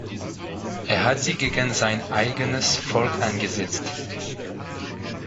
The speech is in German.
Er hat sie gegen sein eigenes Volk eingesetzt.